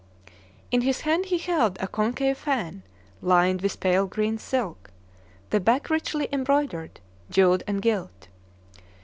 In his hand he held a concave fan, lined with pale green silk, the back richly embroidered, jewelled, and gilt.